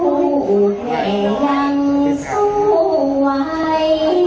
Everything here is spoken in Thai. รูแกยังสู้ไว้